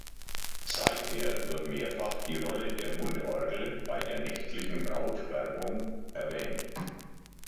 Seither wird mehrfach die Rolle der Mundorgel bei der nächtlichen Brautwerbung erwähnt.